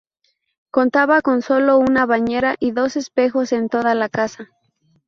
Contaba con solo una bañera y dos espejos en toda la casa.